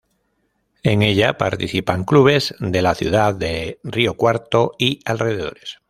En ella participan clubes de la ciudad de Río Cuarto y alrededores.